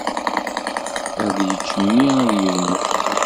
Ad yečč mmi ad yegmu.